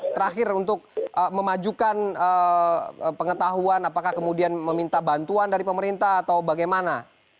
terakhir untuk memajukan pengetahuan apakah kemudian meminta bantuan dari pemerintah atau bagaimana